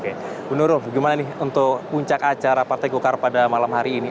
ibu nurul bagaimana untuk puncak acara partai golkar pada malam hari ini